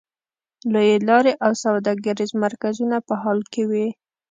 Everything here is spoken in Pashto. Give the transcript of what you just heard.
لویې لارې او سوداګریز مرکزونه په حال کې وې.